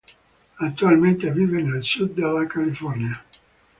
Attualmente vive nel sud della California.